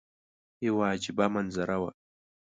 یوه عجیبه منظره وه.